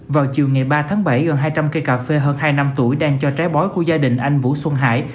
vào chiều ngày ba tháng bảy gần hai trăm linh cây cà phê hơn hai năm tuổi đang cho trái bói của gia đình anh vũ xuân hải